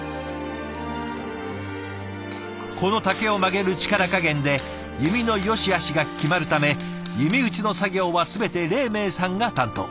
この竹を曲げる力加減で弓のよしあしが決まるため弓打ちの作業は全て黎明さんが担当。